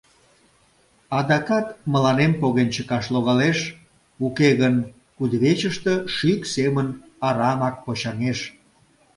Адакат мыланем поген чыкаш логалеш, уке гын кудывечыште шӱк семын арамак почаҥеш.